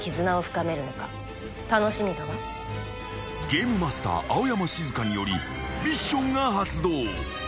［ゲームマスター青山シズカによりミッションが発動］